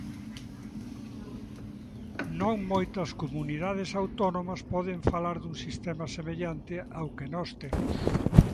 Non moitas comunidades autónomas poden falar dun sistema semellante ao que nós temos.